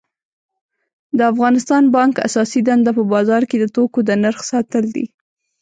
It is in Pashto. د افغانستان بانک اساسی دنده په بازار کی د توکو د نرخ ساتل دي